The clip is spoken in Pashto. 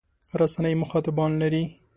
رسنۍ مخاطبان لري.